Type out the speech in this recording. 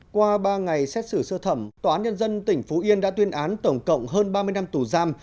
qua ba ngày xét xử sơ thẩm tòa án nhân dân tỉnh phú yên đã tuyên án tổng cộng hơn ba mươi năm tù giam